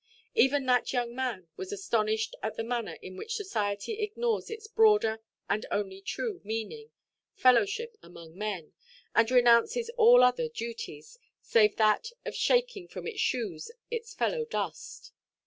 Even that young man was astonished at the manner in which society ignores its broader and only true meaning—fellowship among men—and renounces all other duties, save that of shaking from its shoes its fellow–dust.